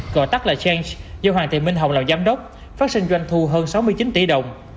gọi tắt là change do hoàng thị minh hồng làm giám đốc phát sinh doanh thu hơn sáu mươi chín tỷ đồng